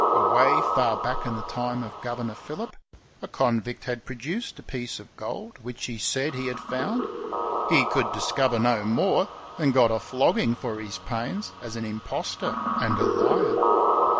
Away far back in the time of Governor Phillip a conNdct had produced a piece of gold which he said he had found. He could discover no more, and got a flog ging for his pains, as an impostor and a Har.